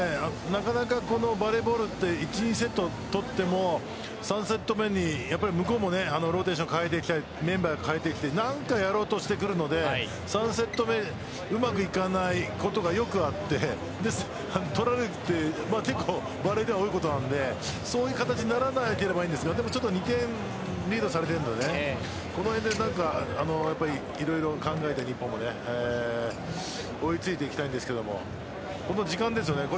なかなかバレーボールって１、２セットとっても３セット目に向こうもローテーション変えてきてメンバーを代えてきて何かやろうとしてくるので３セット目うまくいかないことがよくあってバレーではよくあることなのでそれが気にならなければいいんですけど２点リードされているのでこの辺で色々考えて日本も追いついていきたいですけどこの時間ですよね。